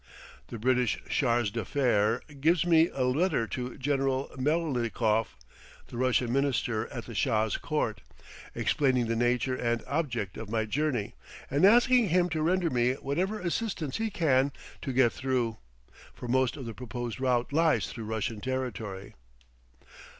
The British Charge d'Affaires gives me a letter to General Melnikoff, the Russian Minister at the Shah's court, explaining the nature and object of my journey, and asking him to render me whatever assistance he can to get through, for most of the proposed route lies through Russian territory.